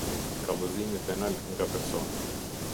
Kallëzimi penal nga personat.